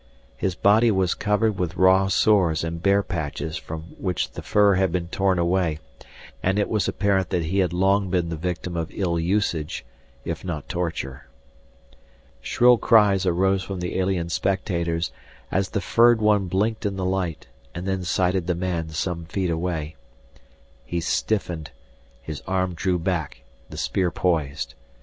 His body was covered with raw sores and bare patches from which the fur had been torn away, and it was apparent that he had long been the victim of ill usage, if not torture. Shrill cries arose from the alien spectators as the furred one blinked in the light and then sighted the man some feet away. He stiffened, his arm drew back, the spear poised.